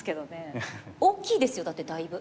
大きいですよだってだいぶ。